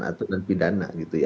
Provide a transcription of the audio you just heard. atuk dan pidana